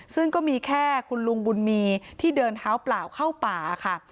ซึ่งก็มีแค่คุณลุงบุญมีที่เดินเท้าเปล่าเข้าป่าค่ะ